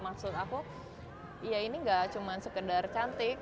maksud aku ya ini gak cuma sekedar cantik